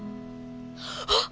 あっ！